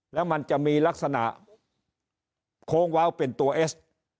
แล้วมันจะมีลักษณะโค้งว้าวเป็นตัวเอส